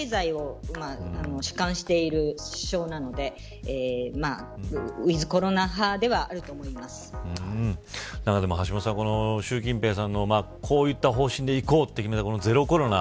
経済を主管している首相なのでウィズコロナ派では橋下さん、習近平さんのこういった方針でいこうと決めたゼロコロナ